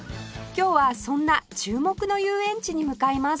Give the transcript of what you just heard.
今日はそんな注目の遊園地に向かいます